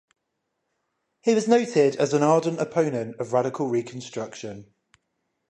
He was noted as an ardent opponent of Radical Reconstruction.